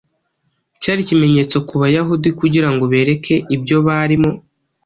cyari ikimenyetso ku Bayahudi kugira ngo bareke ibyo barimo.